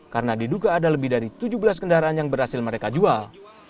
karena diduga ada lebih dari tujuh belas kendaraan yang berhasil mereka jual